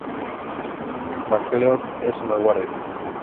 MacLeod es una guardia.